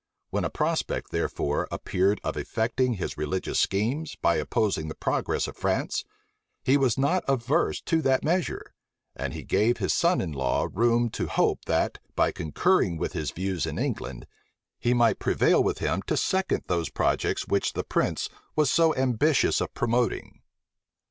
When a prospect, therefore, appeared of effecting his religious schemes by opposing the progress of France, he was not averse to that measure; and he gave his son in law room to hope, that, by concurring with his views in England, he might prevail with him to second those projects which the prince was so ambitious of promoting.